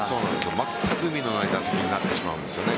まったく意味のない打席になってしまうんですよね。